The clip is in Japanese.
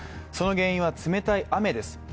その原因は冷たい雨です。